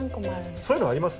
そういうのあります？